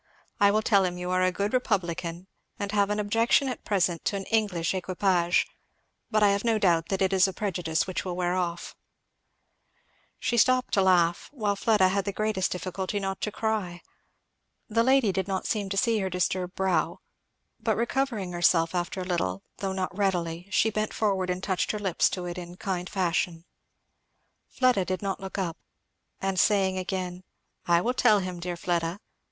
I will tell him you are a good republican, and have an objection at present to an English equipage, but I have no doubt that it is a prejudice which will wear off." She stopped to laugh, while Fleda had the greatest difficulty not to cry. The lady did not seem to see her disturbed brow; but recovering herself after a little, though not readily, she bent forward and touched her lips to it in kind fashion. Fleda did not look up; and saying again, "I will tell him, dear Fleda!"